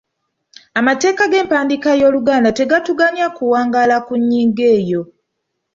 Amateeka g’empandiika y’oluganda tegatuganya kuwangaala ku nnyingo eyo.